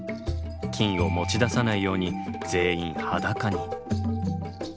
金を持ち出さないように全員裸に。